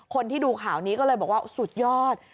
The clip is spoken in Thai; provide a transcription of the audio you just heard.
คนที่ดูข่าวนี้ก็เลยบอกว่าสุดยอด